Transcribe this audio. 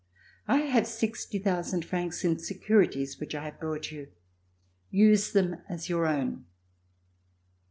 1 have 60,000 francs in securities which I have brought you. Use them as your own."